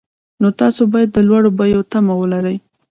نو تاسو باید د لوړو بیو تمه ولرئ